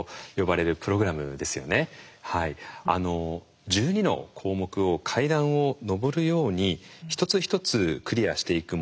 はいあの１２の項目を階段を上るように一つ一つクリアしていくものなんです。